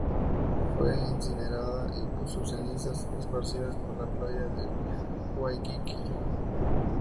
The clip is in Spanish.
Fue incinerada y sus cenizas esparcidas por la playa de Waikiki.